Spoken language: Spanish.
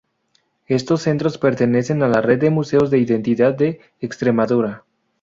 Estos centros pertenecen a la red de Museos de Identidad de Extremadura.